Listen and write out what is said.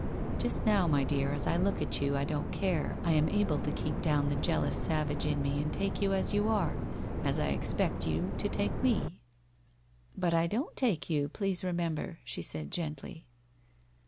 Just now, my dear, as I look at you, I don't care, I am able to keep down the jealous savage in me and take you as you are, as I expect you to take me.' * But I don't take you, please remember,' she said gently.